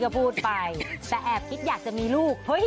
ก็พูดไปแต่แอบคิดอยากจะมีลูก